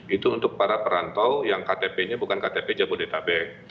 itu untuk para perantau yang ktp nya bukan ktp jabodetabek